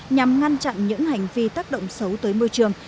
nhằm ngăn chặn những hành vi tác động xấu tới môi trường